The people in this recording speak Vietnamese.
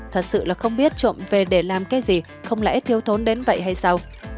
thật sự là không biết trộm về để làm cái gì không lẽ thiếu thốn đến vậy hay sau